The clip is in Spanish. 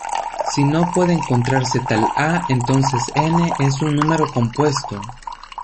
Si no puede encontrarse tal "a", entonces "n" es un número compuesto.